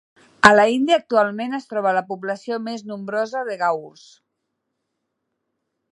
A l'Índia actualment es troba la població més nombrosa de gaurs.